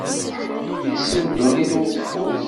Yes-m dunnit ur tfut.